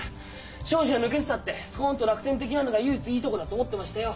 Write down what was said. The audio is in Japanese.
少々抜けてたってスコンと楽天的なのが唯一いいとこだと思ってましたよ。